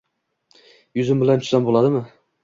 Yuzim bilan tushsam bo‘ladimi…